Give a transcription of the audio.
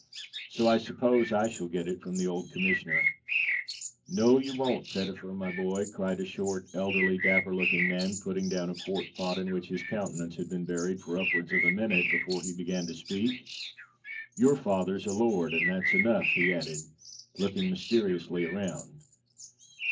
So I suppose I shall get it from the old Commissioner?" "No, you won't, Pettifer, my boy," cried a short, elderly, dapper looking man, putting down a quart pot in which his countenance had been buried for upwards of a minute before he began to speak; "your father's a lord—and that's enough," he added, looking mysteriously around.